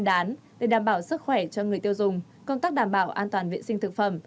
bán để đảm bảo sức khỏe cho người tiêu dùng công tác đảm bảo an toàn vệ sinh thực phẩm